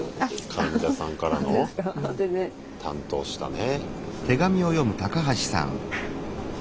患者さんからの担当したね。